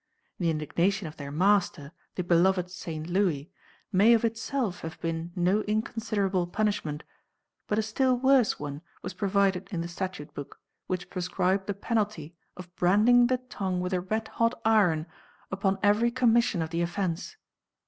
The indignation of their master, the beloved St. Louis, may of itself have been no inconsiderable punishment, but a still worse one was provided in the statute book, which prescribed the penalty of branding the tongue with a red hot iron upon every commission of the offence.